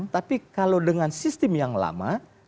tapi kalau dengan sistem yang lama